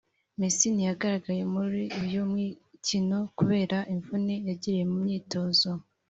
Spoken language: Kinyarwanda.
Messi ntiyagaragaye muri uyu mukino kubera imvune yagiriye mu myitozo